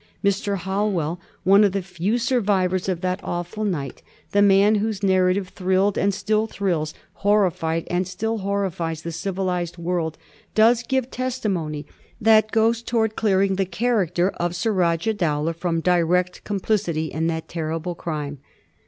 Mr. Hol welly one of the few survivors of that awful night, the man whose narrative thrilled and still thrills, horrified and still horrifies, the civilized world, does give testimony that goes towards clearing the character of Surajah Dowlah from direct complicity in that terrible crime.